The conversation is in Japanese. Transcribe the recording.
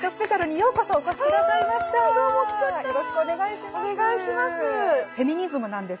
よろしくお願いします。